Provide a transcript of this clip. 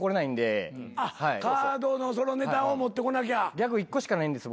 ギャグ１個しかないんです